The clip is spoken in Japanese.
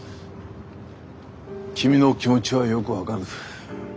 君の気持ちはよく分かる。